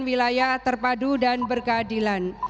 wilayah terpadu dan berkeadilan